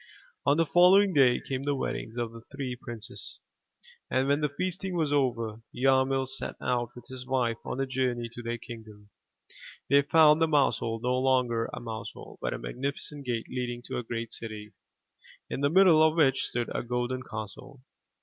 On the following day came the weddings of the three princes; and when the feasting was over, Yarmil set out with his wife on the journey to their kingdom. They found the mouse hole no longer a mouse hole, but a magnificent gate leading to a great city, in the middle of which stood a golden castle.